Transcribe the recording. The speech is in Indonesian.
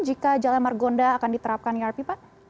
jika jalan margonda akan diterapkan irp pak